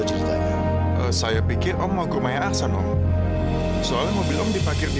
ceritanya saya pikir om mau ke rumahnya aksan om soalnya mobil om dipakirin